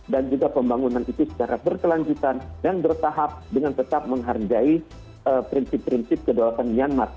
juga pembangunan itu secara berkelanjutan dan bertahap dengan tetap menghargai prinsip prinsip kedaulatan myanmar